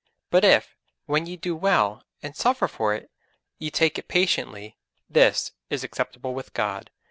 But if, when ye do well, and suffer for it, ye take it patiently, this is acceptable with God